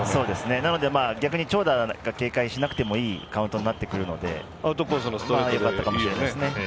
なので長打を警戒しなくてもいいカウントになるのでよかったかもしれませんね。